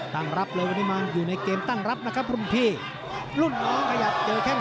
ท่านรับแล้วเป็นในเกมต่างรับแล้วคุณพี่ลุ่นน้องที่อยากแล้ว